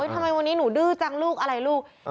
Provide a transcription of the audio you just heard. ทำไมวันนี้หนูดื้อจังลูกอะไรลูก